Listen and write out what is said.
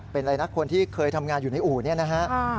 เป็นอะไรนะคนที่เคยทำงานอยู่ในอู่เนี่ยนะฮะ